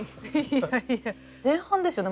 前半ですよね。